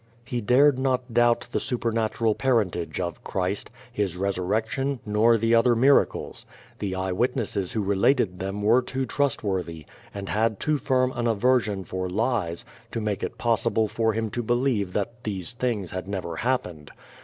He dared not doubt the supernatural parentage of Christ, his resurrection, nor the other miracles. The eye witnesses who related them were too trustworthy, and had too firm an aversion for lies, to make it possible for him to believe that these things had never happened.